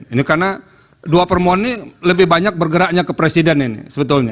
ini karena dua permohonan ini lebih banyak bergeraknya ke presiden ini sebetulnya